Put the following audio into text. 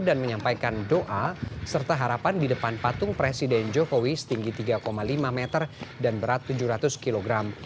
dan menyampaikan doa serta harapan di depan patung presiden jokowi setinggi tiga lima meter dan berat tujuh ratus kilogram